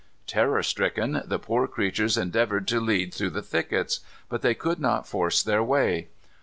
Terror stricken, the poor creatures endeavored to lead through the thickets. But they could not force their way.